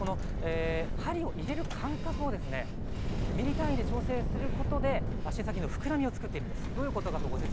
針を入れる感覚をミリ単位で調整することで足先の膨らみを作っているんです。